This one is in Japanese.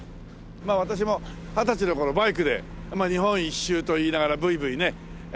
まあ私も二十歳の頃バイクで日本一周と言いながらブイブイねいわせました。